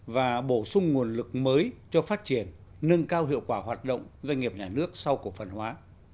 và bổ sung nguồn lực mới cho phát triển nâng cao hiệu quả hoạt động doanh nghiệp nhà nước sau cổ phần hóa